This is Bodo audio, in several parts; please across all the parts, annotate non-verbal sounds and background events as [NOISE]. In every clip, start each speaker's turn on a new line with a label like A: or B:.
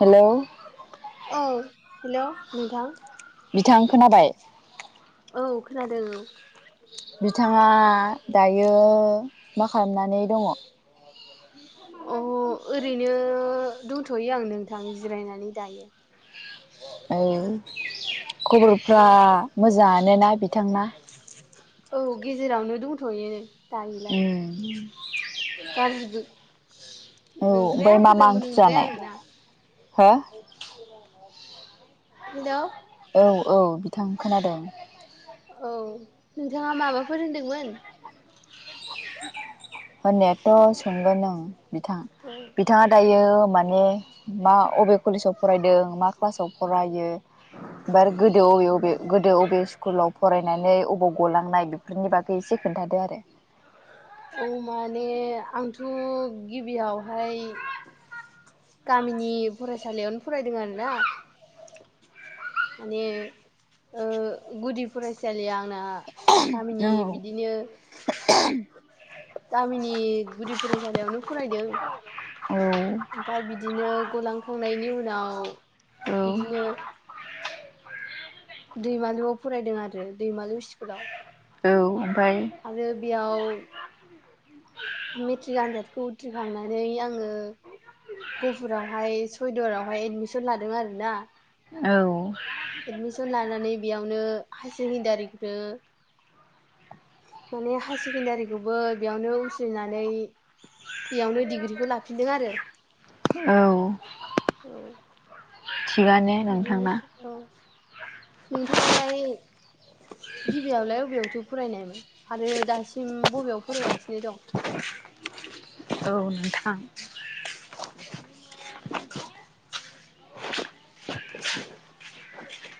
A: हेल'।
B: औ हेल' नोंथां।
A: बिथां खोनाबाय
B: औ खोनादों औ।
A: बिथाङा दायो मा खालामनानै दङ। [INAUDIBLE]
B: औ अ ओरैनो दंथ'यो आं नोंथां जिरायनानै दायो।
A: ओ खबरफ्रा मोजां [UNINTELLIGIBLE] नोना बिथांना?
B: औ गेजेरावनो दंथ'यो। दायोलाय
A: उम।
B: गाज्रिबो
A: औ ओमफ्राय
B: नंद्राया
A: मा मा
B: मोजांबो
A: ओंख्रि
B: नंद्राया
A: जानाय
B: आरोना।
A: हो
B: हेल'
A: औ औ बिथां खोनादों।
B: औ नोंथाङा माबाफोर होनदोंमोन।
A: होननायाथ' सोंगोन आं बिथां
B: औ
A: बिथाङा दायो मा ने मा बबे कलेजाव फरायदों मा क्लासाव फरायो। बार गोदो बबे बबे गोदो बबे स्कुलाव फरायनानै अबबाव गलांनाय बेफोरनि बागै एसे खोन्थादो आरो
B: औ माने आंथ' गिबियावहाय गामिनि फरायसालियावनो फरायदों आरोना माने गुदि फरायसालिया आंना गामिनि बिदिनो गामिनि गुदि फरायसालियावनो फरायदों
A: औ औ
B: ओमफाय बिदिनो गलांखांनायनि उनाव
A: औ
B: बिदिनो दैमालुआव फरायदों आरो दैमालु स्कुलाव
A: औ ओमफाय
B: आरो बेयाव मेट्रिक आनजादखौ उथ्रिखांनानै आङो गपुरावहाय सयदरावहाय एदमिसन लादों आरो ना
A: औ
B: एडमिसन लानानै बेयावनो हायार सेकेणडारिखौनो माने हायार सेकेणडारिखौबो बेयावनो उस्रिनानै बेयावनो डिग्रिखौ लाफिनदों आरो
A: औ
B: औ
A: थिगानो नोंथांना
B: बिदिनोसै औ नोंथाङालाय गिबियावलाय अबेयावथो फरायनायमोन आरो दासिम बबेयाव फरायगासिनो दं
A: औ नोंथां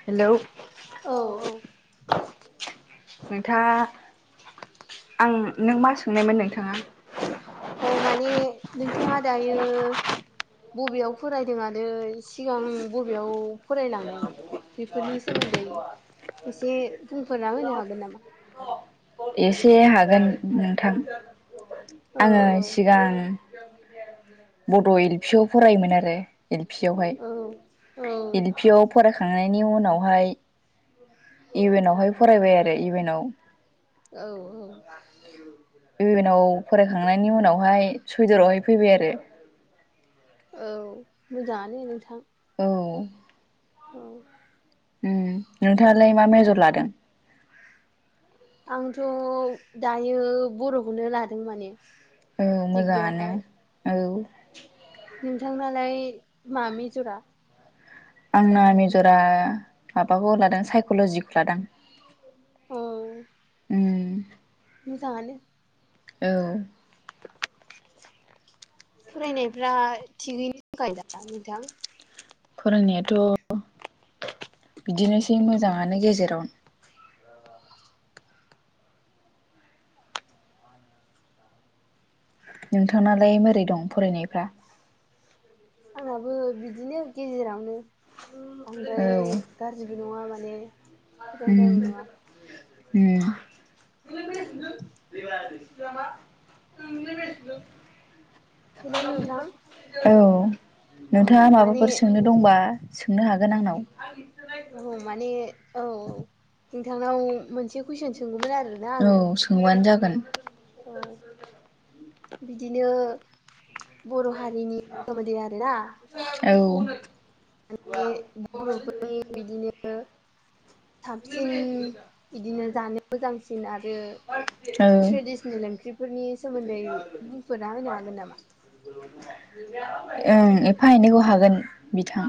A: हेलौ
B: औ औ
A: नोंथाङा आं नों मा सोंनायमोन नोंथाङा
B: अ औ माने नोंथाङा दायो बबेयाव फरायदों आरो सिगां बबेयाव फरायलांनायमोन बेफोरनि सोमोन्दै एसे बुंफोरना होनो हागोन नामा?
A: एसे हागोन नोंथां
B: औ
A: आङो सिगां बड' एल पि आव फरायोमोन आरो एल पि आवहाय
B: औ औ
A: एलपि आव फरायखांनायनि उनावहाय इवेन आवहाय फरायबाय आरो इवेन आव
B: औ औ
A: इवेनाव फरायखांनायनि उनावहाय सुइदारावहाय फैबाय आरो
B: औ मोजाङानो नोंथां
A: औ
B: औ
A: उम नोंथाङालाय मा मेजर लादों
B: आंथ' दायो बर'खौनो लादों माने
A: औ मोजाङानो
B: डिग्रियावहाय
A: औ
B: नोंथांनालाय मा मेजरा
A: आंना मिज'राम माबाखौ लादों साइक'ल'जिखौ लादों
B: अ
A: उम
B: मोजाङानो
A: औ
B: फरायनायफ्रा थिगैनो थाखाय दा नोंथां
A: फरायनायाथ' बिदिनोसै मोजाङानो गेजेराव नोंथांनालाय माबोरै दं फरायनायफ्रा
B: आंनाबो बिदिनो गेजेरावनो
A: औ
B: बांद्राय गाज्रिबो नङा माने मोजां दारायबो नङा
A: ए
B: आ [INAUDIBLE]
A: [UNINTELLIGIBLE] औ नोंथाङा
B: हेलौ नोंथां औ माने
A: माबाफोर सोंनो दंबा सोंनो हागोन आंनाव
B: औ माने औ औ नोंथांनाव मोनसे कुइसन सोंगौमोन आरोना
A: औ
B: आङो
A: सोंबानो जागोन
B: औ बिदिनो बर' हारिनि सोमोन्दै आरोना
A: औ
B: माने बर'फोरनि बिदिनो साबसिन बिदिनो जानो मोजांसिन आरो
A: औ
B: ट्रेदिसनेल ओंख्रि फोरनि सोमोन्दै बुंफोरना होनो हागोन नामा?
A: ओं एफा एनैखौ हागोन बिथां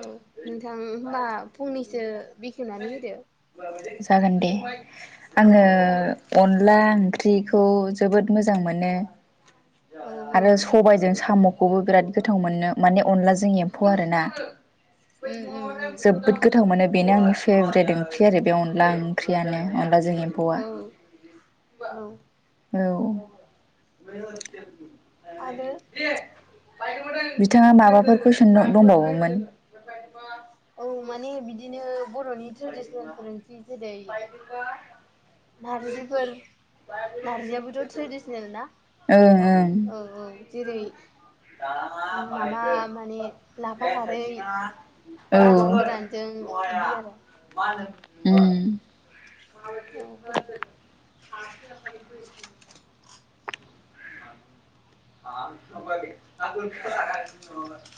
B: औ नोंथां होनबा फुंनिसो बेखेवनानै होदो
A: जागोन दे आङो अनला ओंख्रिखौ जोबोद मोजां मोन नो
B: औ औ
A: आरो सबायजों साम' खौबो बिराद गोथाव मोननो माने अनलाजों एम्फौ आरोना
B: उम उम उम
A: जोबोद गोथाव मोनो बेनो आंनि फेभरेट ओंख्रि आरो बे अन ला ओंख्रियानो अनलाजों एम्फौआ
B: औ औ
A: औ
B: आरो
A: बिथाङा माबाफोर कुइसन द दंबावोमोन
B: औ माने बिदिनो बर'नि ट्रेडिसनेलफोर ओंख्रि जेरै
A: [UNINTELLIGIBLE]
B: नारजिफोर नारजियाबोथ' ट्रेडिसनेल ना
A: ओं ओं
B: औ औ जेरै माबा माने लाफा खारै
A: [UNINTELLIGIBLE] औ
B: नाथुर गोरानजों बिदि आरो
A: उम
B: औ औ
A: [UNINTELLIGIBLE]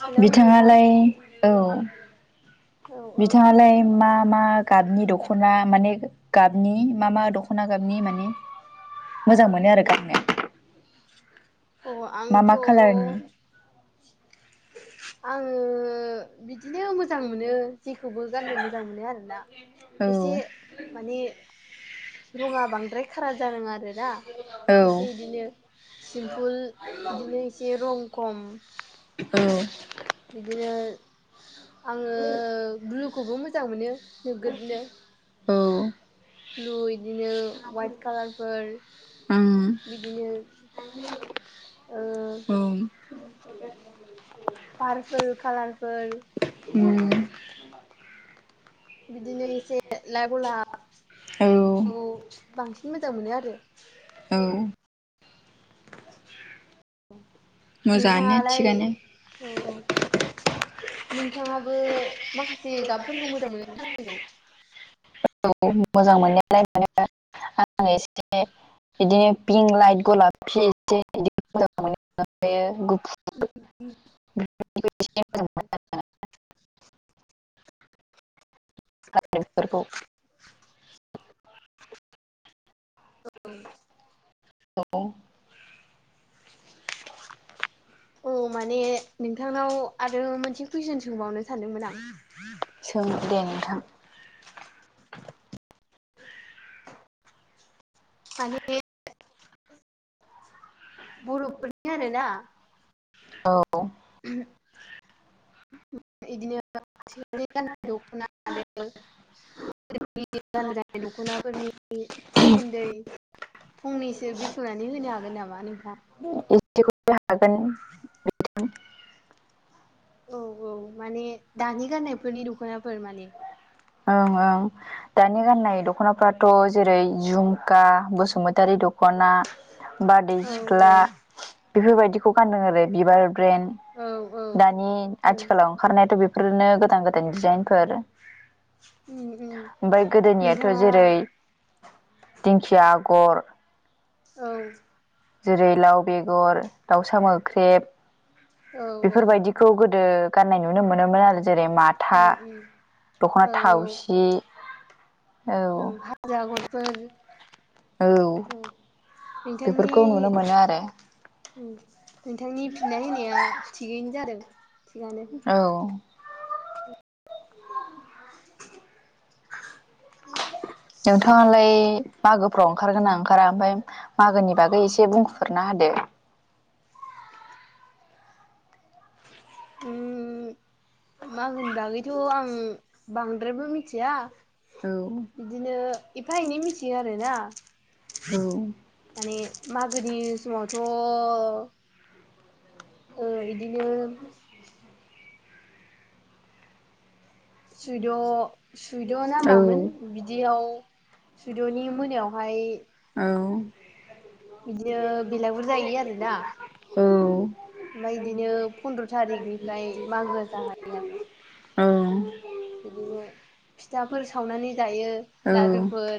B: हेलौ नोंथां
A: बिथाङालाय औ
B: औ औ
A: बिथाङालाय मा मा गाबनि दख'ना माने गाबनि मा मा दख'ना गाबनि माने मोजां मोनो आरो गाननो
B: औ
A: मा
B: आंथ'
A: मा खालारनि
B: ओ बिद दिनो मोजां मोनो जेखौबो गाननो मोजां मोनो आरोना
A: औ
B: एसे माने रङा बांद्राय खारा जानाङा आरोना
A: औ
B: एसे बिदिनो सिम्पुल बिदिनो एसे रं खम
A: औ
B: बिदिनो आङो ब्लुखौबो मोजां मोनो नोगोदनो
A: औ
B: ब्लु बिदिनो वाइट कालारफोर बिदिनो ओ
A: ओं
B: पारपोल कालारफोर
A: ओम
B: बिदिनो एसे लाइक गलाब
A: औ
B: खौ बांसिन मोजां मोनो आरो
A: औ
B: औ
A: मोजाङानो
B: नोंथाङालाय
A: थिगानो
B: औ औ नोंथाङाबो माखासे गाबफोरखौ मोजां मोनो जानांगौ
A: औ मोजां मोननायालाय मोनो आं एसे बिदिनो पिंक लाइट गलाबफि एसे बिदि मोजां मोनो ओमफायो [UNINTELLIGIBLE] बेफोरखौ औ
B: औ माने नोंथांनाव आरो मोनसे कुइसन सोंबावनो सानदोंमोन आं
A: सों दे नोंथां
B: माने बर'फोरनि आरोना
A: औ
B: बिदिनो [UNINTELLIGIBLE] दख'ना [UNINTELLIGIBLE] गोजाम जानाय दख'नाफोरनि सोमोन्दै फंनैसो बेखेवनानै होनो हागोन नामा नोंथां?
A: इदिखौ हागोन [UNINTELLIGIBLE]
B: औ औ माने दानि गाननायफोरनि दख'नाफोर माने
A: ओं ओं दानि गाननाय दख'नाफ्राथ' जेरै झुमका बसुमतारि दं दखना बारदै
B: औ औ
A: सिख्ला बेफोरबायदिखौ गान्दों आरो बिबार
B: औ औ
A: ब्रनड दानि
B: औ
A: आथिखालाव ओंखारनायाथ' बे बेफोरनो गोदान गोदान दिजाइनफोर
B: उम उम
A: ओमफ्राय गोदोनियाथ'
B: नोंथाङा
A: जेरै दिंखिया आगर
B: औ
A: जेरै लाउ बेगर दाउसा मोख्रेब
B: औ औ
A: बेफोरबायदिखौ गोदो गाननाय नुनो मोनोमोन आरो जेरै
B: उम
A: माथा
B: उम
A: दख'ना
B: औ औ
A: थावसि औ
B: हाजो आगरफोर
A: औ
B: नोंथांनि
A: बेफोरखौ नुनो मोनो आरो
B: उम नोंथांनि फिननाय होनाया थिगैनो जादों थिगानो
A: औ
B: [INAUDIBLE]
A: उम नोंथाङालाय मागोफ्राव ओंखारगोन ना ओंखारा ओमफ्राय मागोनि बागै एसे बुंफुरना होदो [INAUDIBLE]
B: उम मागोनि बागैथ' आं बांद्रायबो मिथिया
A: औ
B: बिदिनो एफा एनै मिथियो आरोना
A: औ
B: माने मागोनि समावथ' ओ इदिनो
A: ए
B: सुइद' सुइद'
A: औ
B: नाामामोन बिदियाव सुइद'नि मोनायावहाय बिदिनो बेलागुर जायो आरोना ओमफ्राय बिदिनो फन्द्र'
A: औ
B: थारिखनिफ्राय मागोआ जागायो आरो
A: औ
B: बिदिनो फिथाफोर सावनानै जायो
A: ओं
B: लादुफोर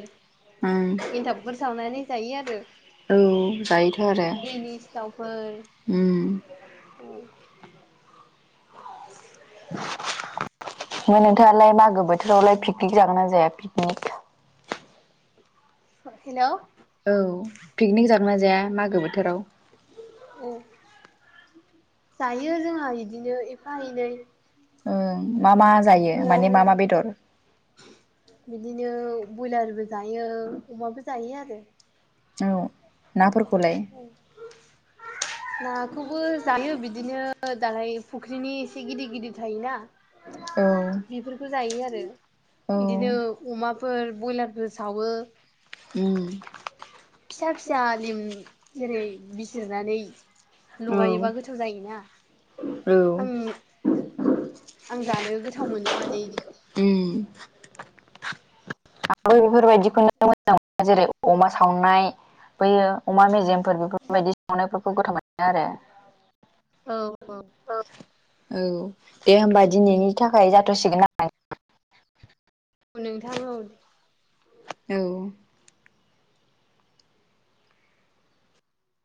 B: एन्थाबफोर सावनानै जायो आरो
A: औ जायोथ' आरो
B: दैनि सिथावफोर औ
A: नोंथाङालाय मागो बोथोरावलाय पिकनिक जागोन ना जाया पिकनिक
B: हेल'
A: अमा जाया मागो बोथोराव
B: औ जायो जोंहा बिदिनो एफा एनै
A: ओं मा मा जायो माने
B: न'आवनो
A: मा मा बेदर
B: बिदिनो बयलारबो जायो अमाबो जायो आरो
A: औ नाफोरखौ
B: नाखौबो जायो बिदिनो दालाय फुख्रिनि एसे गिदिर गिदिर थायोना
A: औ
B: बेफोरखौ जायो आरो
A: औ
B: बिदिनो अमाफोर बयलारफोर सावो
A: उम
B: फिसा - फिसा लिम जेरै बिजिरनानै
A: औ
B: लगायोबा गोथाव जायोना आं
A: उम
B: आं जानो गोथाव मोनो माने बिदिखौ
A: आंबो बेफोरबायदिखौनो मोजां मोनो जेरै अमा सावनाय फैयो अमा मेजेमफोर बेफोरबायदि संनायफोरखौ गोथाव मोनो आरो
B: औ औ
A: औ दे होनबा दिनैनि थाखाय जाथसिगोन ना
B: औ नोंथां औ दे
A: औ